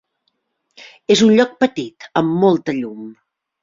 És un lloc petit amb molta llum.